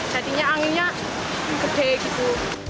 jadinya anginnya gede gitu